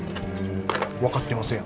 分かってますやん。